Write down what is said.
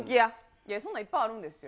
いや、そんなんいっぱいあるんですよ。